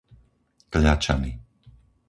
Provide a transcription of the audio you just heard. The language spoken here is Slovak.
Kľačany